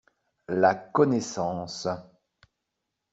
La connaissance.